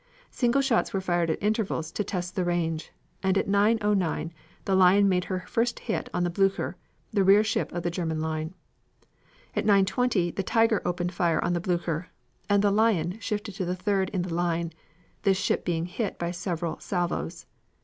Single shots were fired at intervals to test the range, and at 9.09 the Lion made her first hit on the Blucher, the rear ship of the German line. At 9.20 the Tiger opened fire on the Blucher, and the Lion shifted to the third in the line, this ship being hit by several salvos.